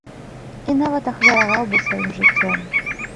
І нават ахвяраваў бы сваім жыццём.